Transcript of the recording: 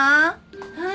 はい。